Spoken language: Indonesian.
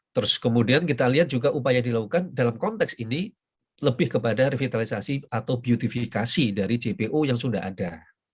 terus kemudian kita lihat juga upaya dilakukan dalam konteks ini lebih kepada revitalisasi atau beautifikasi dari jpo yang sudah ada